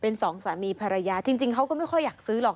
เป็นสองสามีภรรยาจริงเขาก็ไม่ค่อยอยากซื้อหรอก